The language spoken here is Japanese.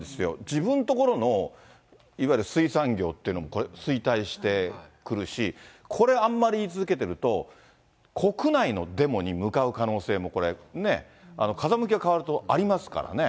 自分ところの、いわゆる水産業っていうのも、衰退してくるし、これ、あんまり言い続けてると、国内のデモに向かう可能性も、風向きが変わるとありますからね。